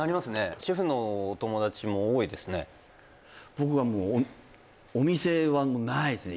僕はもうお店はないですね